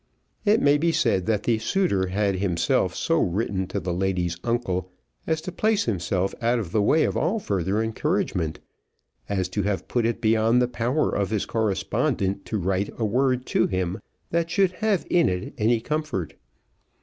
It may be said that the suitor had himself so written to the lady's uncle, as to place himself out of the way of all further encouragement; as to have put it beyond the power of his correspondent to write a word to him that should have in it any comfort.